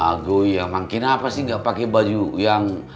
agoy emang kenapa sih ga pake baju yang